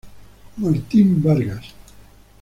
Martín Vargas.